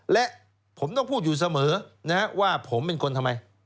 และผมต้องพูดอยู่เสมอว่าผมเป็นคนทำไม